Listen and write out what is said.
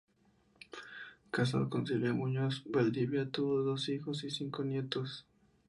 Casado con Silvia Muñoz Valdivia, tuvo dos hijos y cinco nietos.